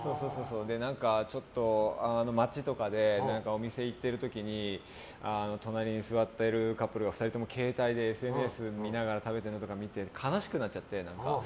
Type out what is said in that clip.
ちょっと、街とかでお店行ってる時に隣に座ってるカップルが２人とも携帯でＳＮＳ見ながら食べてるのとか見て悲しくなっちゃって、何か。